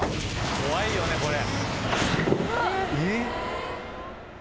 怖いよねこれ。